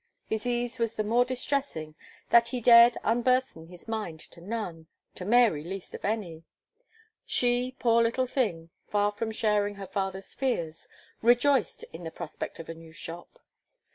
His ease was the more distressing, that he dared unburthen his mind to none, to Mary least of any. She, poor little thing, far from sharing her father's fears, rejoiced in the prospect of a new shop.